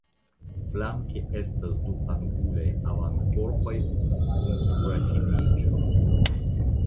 Flanke estas du angulaj avankorpoj kun tura finiĝo.